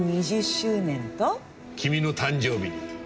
君の誕生日に。